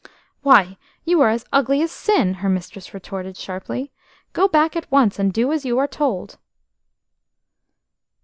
"Why, you are as ugly as sin!" her mistress retorted sharply. "Go back at once, and do as you are told."